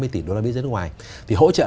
hai mươi tỷ đô la mỹ ra nước ngoài thì hỗ trợ